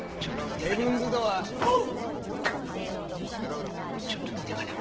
ヘブンズ・ドアーッ！